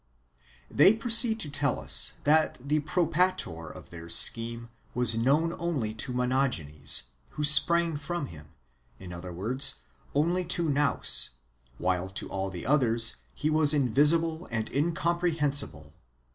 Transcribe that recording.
They proceed to tell us that the Propator of their scheme was known only to Monogenes, who sprang from him ; in other words, only to Nous, while to all the others he was invisible and incomprehensible.